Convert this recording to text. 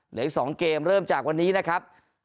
เหลืออีก๒เกมเริ่มจากวันนี้นะครับ